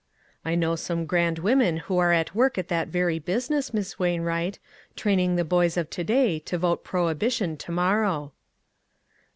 " I know some grand women who are at work at that very business, Miss Wainwright, training the boys of to day to vote prohibi tion to morrow."